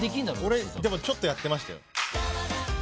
俺ちょっとやってました。